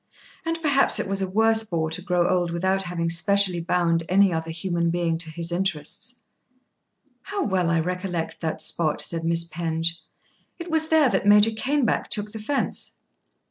And perhaps it was a worse bore to grow old without having specially bound any other human being to his interests. "How well I recollect that spot," said Miss Penge. "It was there that Major Caneback took the fence."